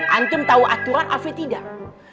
antum tau aturan afi tidak